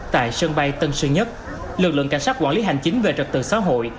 tại sân bay tân sơn nhất lực lượng cảnh sát quản lý hành chính về trật tự xã hội